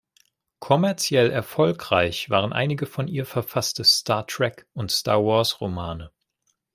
Kommerziell erfolgreich waren einige von ihr verfasste Star-Trek- und Star-Wars-Romane.